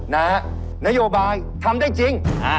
นโยบายทำได้จริง